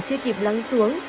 chưa kịp lắng xuống